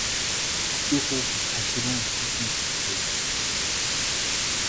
Хөгжөөх үү гэж та түрүүн асуусан биз дээ.